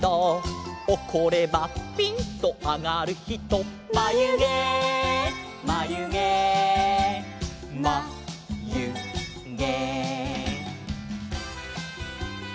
「おこればぴんとあがるひと」「まゆげまゆげまゆげ」